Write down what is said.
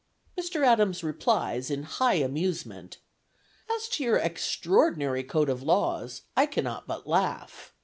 Mr. Adams replies, in high amusement: "As to your extraordinary code of laws, I cannot but laugh.